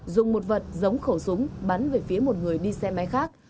dùng một vật giống khẩu súng bắn về phía một người đi xe máy khác